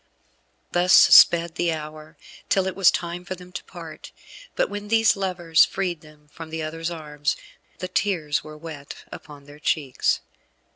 Thus sped the hour, till it was time for them to part; but when these lovers freed them from the other's arms, the tears were wet upon their cheeks.